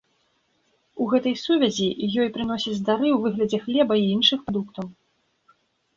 У гэтай сувязі ёй прыносяць дары ў выглядзе хлеба і іншых прадуктаў.